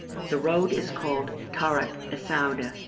The road is called Tarik Sauda.